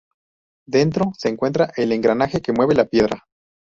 Dentro se encuentra el engranaje que mueve la piedra.